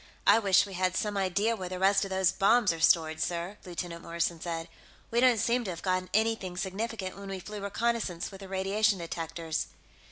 "I wish we had some idea where the rest of those bombs are stored, sir," Lieutenant Morrison said. "We don't seem to have gotten anything significant when we flew reconnaissance with the radiation detectors."